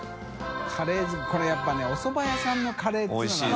海やっぱねおそば屋さんのカレーっていうのはね。